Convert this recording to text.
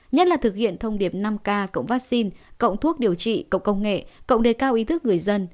nhất là thực hiện thông điệp năm k cộng vaccine cộng thuốc điều trị cộng công nghệ cộng đề cao ý thức người dân